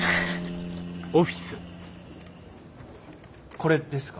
これですか？